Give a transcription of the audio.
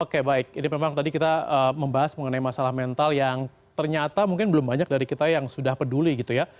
oke baik ini memang tadi kita membahas mengenai masalah mental yang ternyata mungkin belum banyak dari kita yang sudah peduli gitu ya